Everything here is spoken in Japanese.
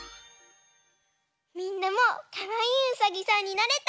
みんなもかわいいうさぎさんになれた？